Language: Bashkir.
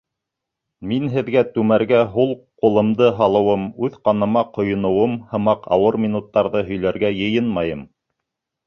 Мин һеҙгә түмәргә һул ҡулымды һалыуым, үҙ ҡаныма ҡойоноуым һымаҡ ауыр минуттарҙы һөйләргә йыйынмайым.